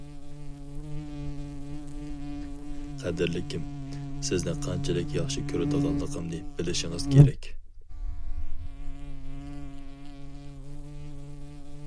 قەدىرلىكىم، سىزنى قانچىلىك ياخشى كۆرىدىغانلىقىمنى بىلىشىڭىز كېرەك.